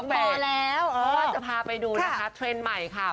เพราะว่าจะพาไปดูนะคะเทรนด์ใหม่ค่ะ